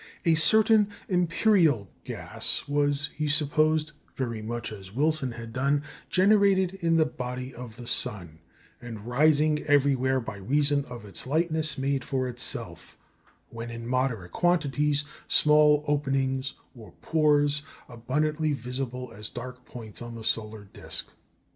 A certain "empyreal" gas was, he supposed (very much as Wilson had done), generated in the body of the sun, and rising everywhere by reason of its lightness, made for itself, when in moderate quantities, small openings or "pores," abundantly visible as dark points on the solar disc.